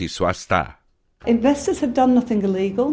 investasi tidak melakukan apa apa yang tidak ilegal